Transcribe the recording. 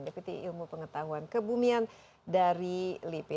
deputi ilmu pengetahuan kebumian dari lipi